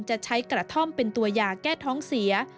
จะใช้กระท่อมเป็นตัวยาแก้ท้องเสีย